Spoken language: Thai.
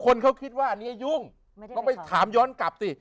คนเขาคิดว่าอันนี้ยุ่งต้องไปถามย้อนกลับสิ